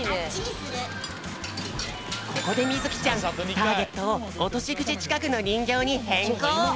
ここでみずきちゃんターゲットをおとしぐちちかくのにんぎょうにへんこう。